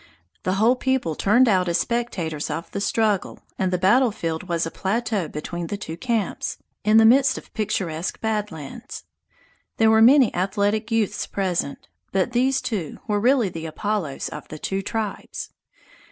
The whole people turned out as spectators of the struggle, and the battlefield was a plateau between the two camps, in the midst of picturesque Bad Lands. There were many athletic youths present, but these two were really the Apollos of the two tribes.